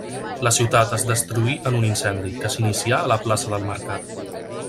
La ciutat es destruí en un incendi, que s'inicià a la plaça del mercat.